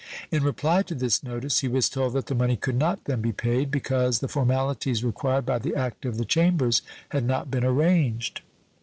In reply to this notice he was told that the money could not then be paid, because the formalities required by the act of the Chambers had not been arranged.